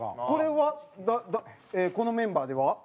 これはこのメンバーでは？